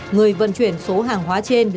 người vận chuyển số hàng hóa trên